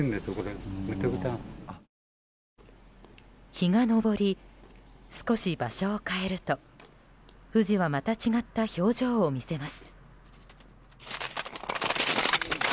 日が昇り、少し場所を変えると富士は、また違った表情を見せます。